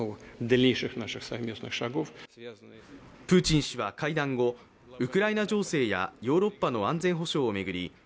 プーチン氏は会談後ウクライナ情勢やヨーロッパの安全保障を巡り